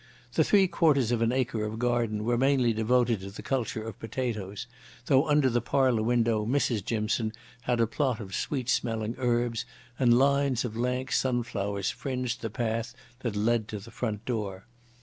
The three quarters of an acre of garden were mainly devoted to the culture of potatoes, though under the parlour window Mrs Jimson had a plot of sweet smelling herbs, and lines of lank sunflowers fringed the path that led to the front door.